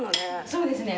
そうですね。